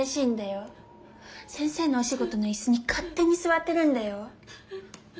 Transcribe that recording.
先生のお仕事の椅子に勝手に座ってるんだよォ。